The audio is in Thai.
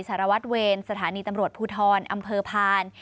สารวัตรเวรสถานีตำรวจภูทรอำเภอพาน